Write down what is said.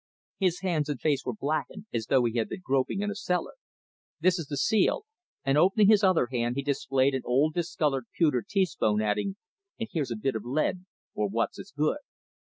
His hands and face were blackened as though he had been groping in a cellar. "This is the seal," and opening his other hand he displayed an old discoloured pewter teaspoon, adding, "And here's a bit of lead or what's as good."